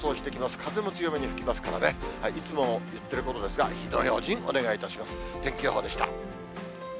風も強めに吹きますからね、いつも言ってることですが、火の用心、お願いいたします。